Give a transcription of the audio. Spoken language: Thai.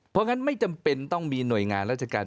เพราะงั้นไม่จำเป็นต้องมีหน่วยงานราชการ